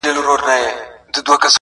• یو څه وخت مي راسره ښکلي بچیان وي -